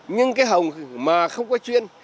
nhưng cái hồng mà không có chuyên